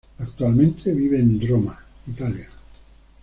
Actualmente vive en Roma, Italia.